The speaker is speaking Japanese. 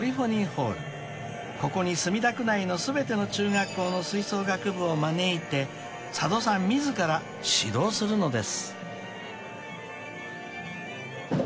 ［ここに墨田区内の全ての中学校の吹奏楽部を招いて佐渡さん自ら指導するのです］